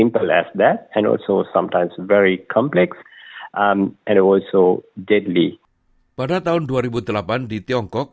jetly pada tahun dua ribu delapan di tiongkok